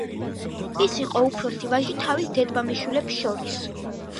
ის იყო უფროსი ვაჟი თავის დედმამიშვილებს შორის.